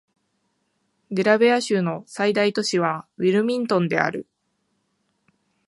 デラウェア州の最大都市はウィルミントンである